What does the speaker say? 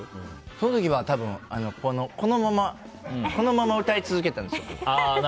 その時は多分、このまま歌い続けたんですよ。